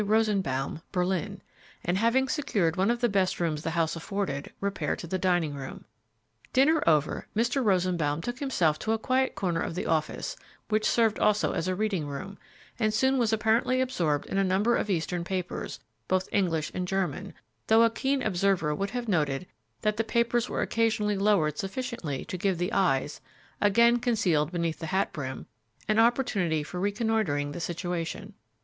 Rosenbaum, Berlin," and, having secured one of the best rooms the house afforded, repaired to the dining room. Dinner over, Mr. Rosenbaum betook himself to a quiet corner of the office, which served also as a reading room, and soon was apparently absorbed in a number of Eastern papers, both English and German, though a keen observer would have noted that the papers were occasionally lowered sufficiently to give the eyes again concealed beneath the hat brim an opportunity for reconnoitering the situation.